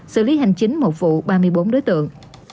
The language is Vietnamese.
xử lý hành chính một vụ ba mươi bốn đối tượng